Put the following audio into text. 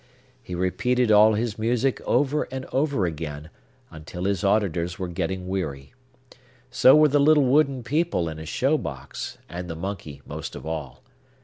He repeated all his music over and over again, until his auditors were getting weary. So were the little wooden people in his show box, and the monkey most of all.